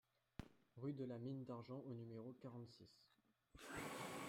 Rue de la Mine d'Argent au numéro quarante-six